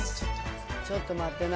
ちょっと待ってな。